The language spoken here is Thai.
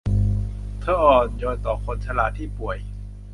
เธออ่อนโยนต่อคนชราที่ป่วย